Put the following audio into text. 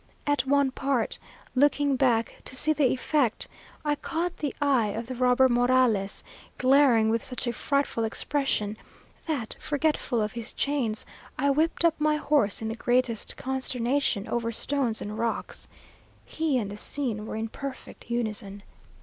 At one part, looking back to see the effect, I caught the eye of the robber Morales, glaring with such a frightful expression, that, forgetful of his chains, I whipped up my horse in the greatest consternation, over stones and rocks. He and the scene were in perfect unison.